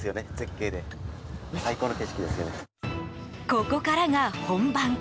ここからが本番。